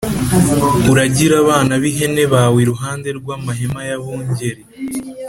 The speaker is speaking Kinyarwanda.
Uragire abana b’ihene bawe iruhande rw’amahema y’abungeri.